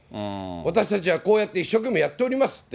私たちはこうやって一生懸命やっておりますって。